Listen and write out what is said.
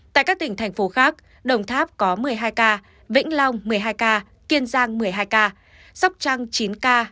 tại các tỉnh thành phố khác đồng tháp có một mươi hai ca vĩnh long một mươi hai ca kiên giang một mươi hai ca sóc trăng chín ca